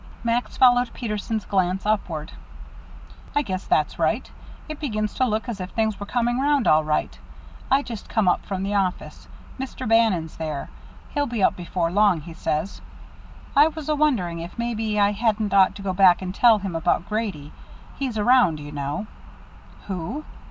Max followed Peterson's glance upward. "I guess that's right. It begins to look as if things was coming 'round all right. I just come up from the office. Mr. Bannon's there. He'll be up before long, he says. I was a wondering if maybe I hadn't ought to go back and tell him about Grady. He's around, you know." "Who?